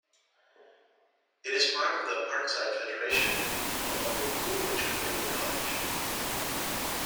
It is part of the Parkside Federation, along with Coleridge Community College.